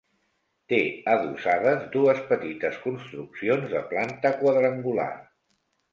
Té adossades dues petites construccions de planta quadrangular.